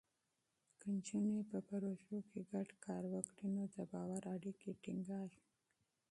که نجونې په پروژو کې ګډ کار وکړي، نو د باور اړیکې ټینګېږي.